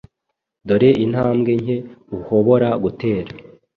Dore intambwe nke uhobora gutera